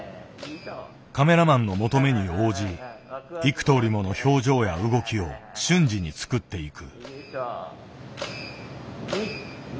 カメラマンの求めに応じ幾とおりもの表情や動きを瞬時に作っていく。